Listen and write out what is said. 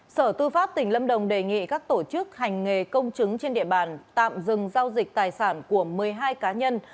sở tư pháp tỉnh lâm đồng đề nghị các tổ chức hành nghề công chứng trên địa bàn tạm dừng giao dịch tài sản của một mươi hai cá nhân